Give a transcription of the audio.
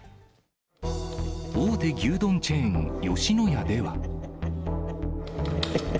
大手牛丼チェーン、吉野家では。